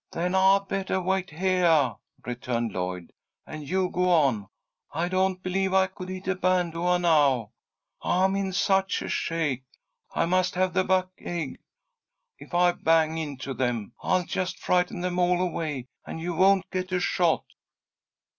"Then I'd bettah wait heah," returned Lloyd, "and you go on. I don't believe I could hit a bahn doah now, I'm in such a shake. I must have the 'buck ague.' If I bang into them, I'll just frighten them all away, and you won't get a shot."